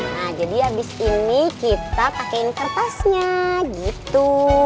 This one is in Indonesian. nah jadi abis ini kita pakaiin kertasnya gitu